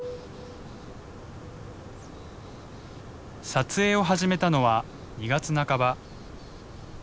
撮影を始めたのは２月半ば。